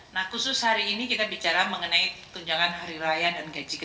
nah khusus hari ini kita bicara mengenai tunjangan hari raya dan gaji ke tiga